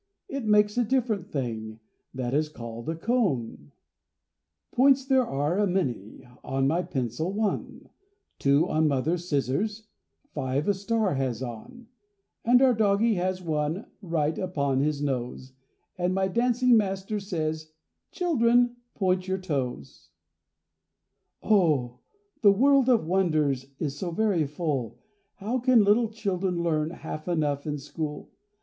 it makes a different thing,— That is called a cone. Points there are, a many, On my pencil one, Two on mother's scissors, Five a star has on; And our doggie has one Right upon his nose, And my dancing master says, "Children, point your toes!" Oh! the world of wonders Is so very full, How can little children learn Half enough in school?